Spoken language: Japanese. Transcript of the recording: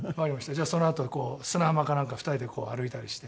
じゃあそのあと砂浜かなんか２人でこう歩いたりして。